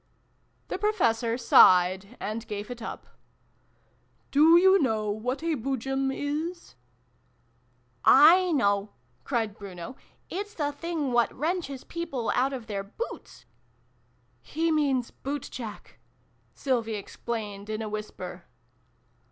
" The Professor sighed, and gave it up. " Do you know what a Boojum is ?" "7 know!" cried Bruno. "It's the thing what wrenches people out of their boots !" "He means ' bootjack, ' Sylvie explained in a whisper.